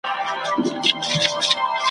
اوس دي په غزل کي شرنګ د هري مسرۍ څه وايي `